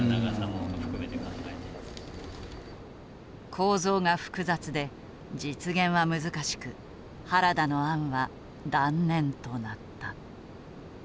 構造が複雑で実現は難しく原田の案は断念となった。